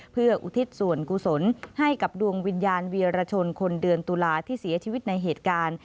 เพื่ออุทิศส่วนกุศลให้กับดวงวิญญาณเวียรชนคนเดือนตุลาที่เสียชีวิตในเหตุการณ์